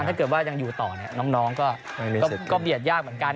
ถ้าเกิดว่ายังอยู่ต่อเนี่ยน้องก็เบียดยากเหมือนกัน